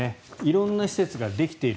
色んな施設ができている。